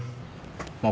ke tempat yang lain